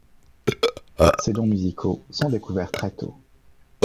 Ses dons musicaux sont découverts très tôt.